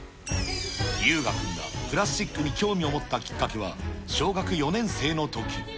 悠雅君がプラスチックに興味を持ったきっかけは、小学４年生の時。